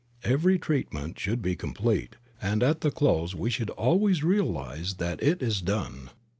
Every treatment should be complete, and at the close we should always realize that it is done.